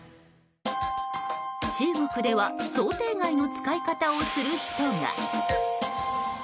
中国では想定外の使い方をする人が。